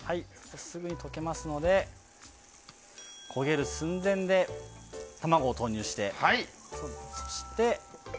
すぐ溶けますので焦げる寸前で卵を投入してそして。